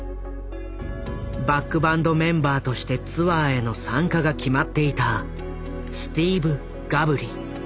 バックバンドメンバーとしてツアーへの参加が決まっていたスティーブ・ガブリ。